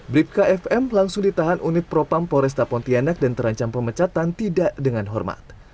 blip kfm langsung ditahan unit propam polresta pontianak dan terancam pemecatan tidak dengan hormat